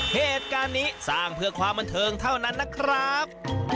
เหตุการณ์นี้สร้างเพื่อความบันเทิงเท่านั้นนะครับ